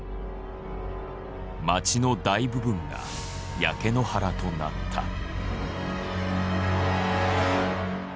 街の大部分が焼け野原となった。